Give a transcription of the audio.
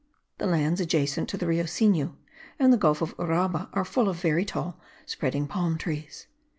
[The lands adjacent to the Rio Cenu and the Gulf of Uraba are full of very tall, spreading palm trees.